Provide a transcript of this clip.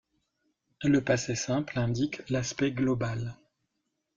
Le passé simple indique l'aspect global.